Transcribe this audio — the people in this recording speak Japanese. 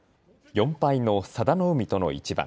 ４敗の佐田の海との一番。